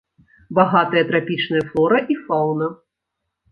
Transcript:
Багатыя трапічныя флора і фаўна.